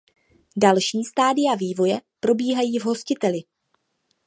Další stadia vývoje probíhají v hostiteli.